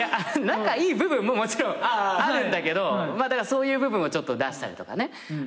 仲いい部分ももちろんあるんだけどだからそういう部分をちょっと出したりとかね。